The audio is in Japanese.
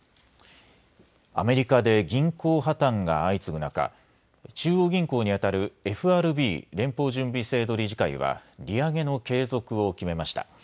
アメリカで銀行破綻が相次ぐ中、中央銀行にあたるＦＲＢ・連邦準備制度理事会は利上げの継続を決めました。